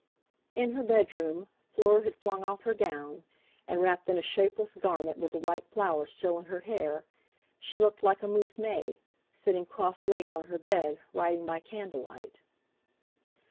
In her bedroom Fleur had flung off her gown, and, wrapped in a shapeless garment, with the white flower still in her hair, she looked like a mousme, sitting cross legged on her bed, writing by candlelight.